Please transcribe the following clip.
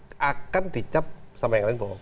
kamu kan dicap sama yang lain bohong